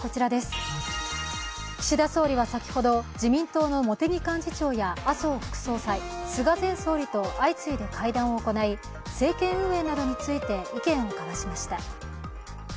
岸田総理は先ほど自民党の茂木幹事長や麻生副総裁、菅前総理と相次いで会談を行い政権運営などについて意見を交わしました。